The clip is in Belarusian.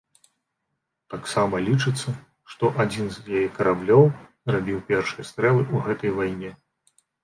Таксама лічыцца, што адзін з яе караблёў зрабіў першыя стрэлы ў гэтай вайне.